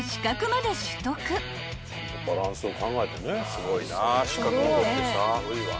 すごいな資格も取ってさ。